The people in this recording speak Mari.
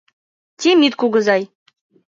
— Темит кугызай!